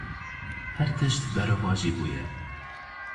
Her tişt berovajî bûye.